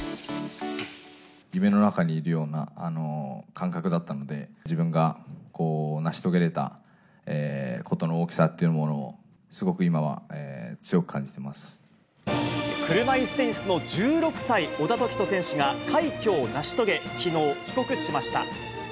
夢の中にいるような感覚だったので、自分が成し遂げれたことの大きさというものを、すごく今は強く感車いすテニスの１６歳、小田凱人選手が快挙を成し遂げ、きのう、帰国しました。